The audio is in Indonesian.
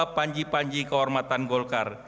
dan panji panji kehormatan golkar